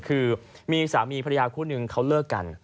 คือมีสามีภรรยาคู่นึงเขาเลิกกัน